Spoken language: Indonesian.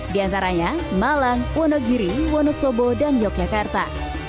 di antaranya malang wonogiri wonosobo dan yogyakarta